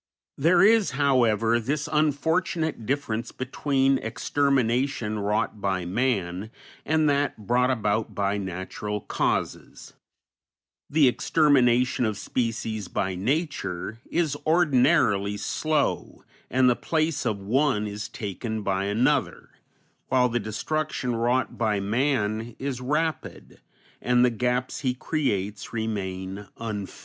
There is, however, this unfortunate difference between extermination wrought by man and that brought about by natural causes: the extermination of species by nature is ordinarily slow, and the place of one is taken by another, while the destruction wrought by man is rapid, and the gaps he creates remain unfilled.